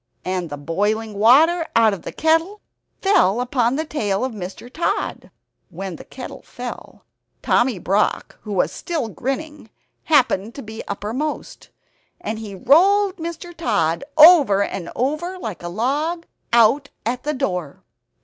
And the boiling water out of the kettle fell upon the tail of Mr. Tod. When the kettle fell, Tommy Brock, who was still grinning, happened to be uppermost; and he rolled Mr. Tod over and over like a log, out at the door.